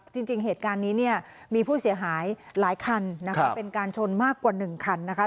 จริงเหตุการณ์นี้เนี่ยมีผู้เสียหายหลายคันนะคะเป็นการชนมากกว่า๑คันนะคะ